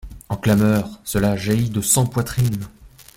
En clameur, cela jaillit de cent poitrines.